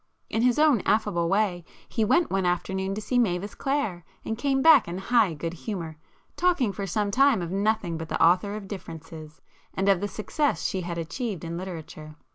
In his own affable way, he went one afternoon to see Mavis Clare, and came back in high good humour, talking for some time of nothing but the author of 'Differences,' and of the success she had achieved in literature.